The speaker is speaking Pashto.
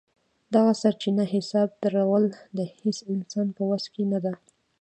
دغه سرچپه حساب درول د هېڅ انسان په وس کې نه ده.